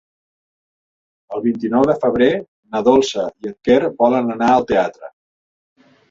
El vint-i-nou de febrer na Dolça i en Quer volen anar al teatre.